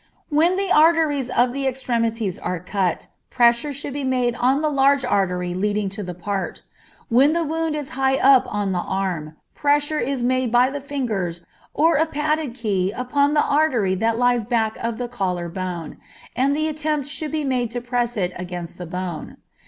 When the arteries of the extremities are cut, pressure should be made on the large artery leading to the part. When the wound is high up on the arm, pressure is made by the fingers or a padded key upon the artery that lies back of the collar bone, and the attempt should be made to press it against the bone.